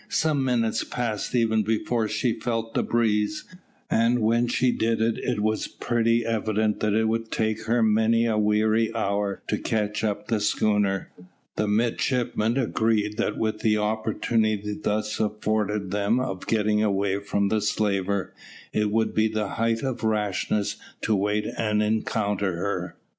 Some minutes passed even before she felt the breeze, and when she did it was pretty evident that it would take her many a weary hour to catch up the schooner. The midshipmen agreed that with the opportunity thus afforded them of getting away from the slaver, it would be the height of rashness to wait and encounter her.